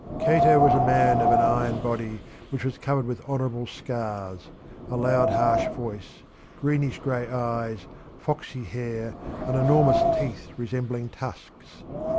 Cato was a man of an iron body which was covered with honourable scars, a loud, harsh voice, greenish grey eyes, foxy hair, and enormous teeth resembling tusks.